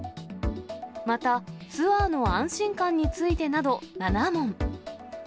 また、ツアーの安心感についてなど、７問。